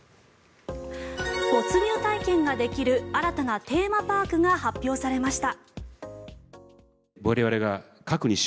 没入体験ができる新たなテーマパークが発表されました。